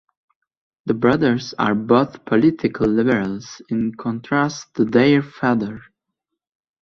The brothers are both political liberals, in contrast to their father.